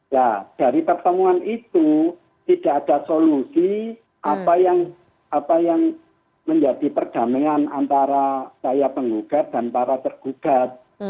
nah dari pertemuan itu tidak ada solusi apa yang menjadi perdamaian antara saya penggugat dan para tergugat